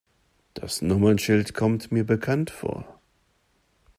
Das Nummernschild kommt mir bekannt vor.